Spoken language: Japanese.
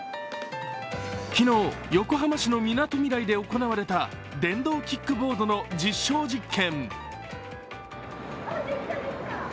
昨日、横浜市のみなとみらいで行われた電動キックボードの実証実験。